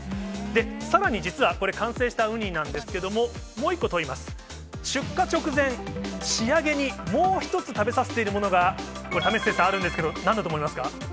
さらに実は、これ、完成したウニなんですけれども、もう１個問イマス！出荷直前、仕上げにもう１つ食べさせているものが、為末さん、あるんですが、なんだと思いますか。